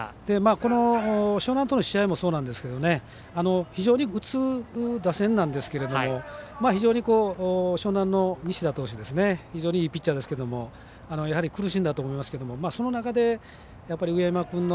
この樟南との試合もそうなんですけど非常に打つ打線なんですけども非常に樟南の投手非常にいいピッチャーですけど苦しんだと思いますけどその中で上山君の